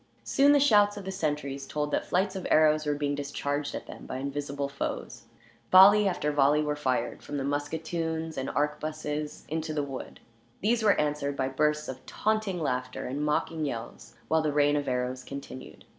Soon the shouts of the sentries told that flights of arrows were being discharged at them, by invisible foes. Volley after volley were fired, from the musketoons and arquebuses, into the wood. These were answered by bursts of taunting laughter, and mocking yells, while the rain of arrows continued.